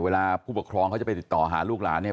ผู้ปกครองเขาจะไปติดต่อหาลูกหลานเนี่ย